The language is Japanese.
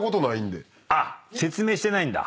あっ説明してないんだ。